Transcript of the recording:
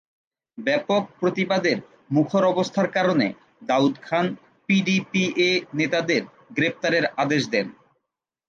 ব্যাপক প্রতিবাদের মুখর অবস্থার কারণে দাউদ খান পিডিপিএ নেতাদের গ্রেপ্তারের আদেশ দেন।